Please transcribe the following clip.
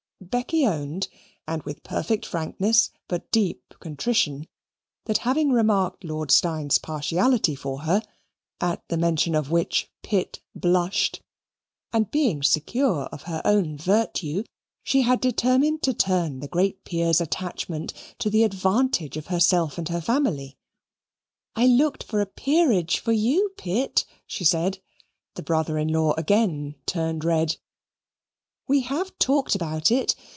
Becky owned, and with perfect frankness, but deep contrition, that having remarked Lord Steyne's partiality for her (at the mention of which Pitt blushed), and being secure of her own virtue, she had determined to turn the great peer's attachment to the advantage of herself and her family. "I looked for a peerage for you, Pitt," she said (the brother in law again turned red). "We have talked about it.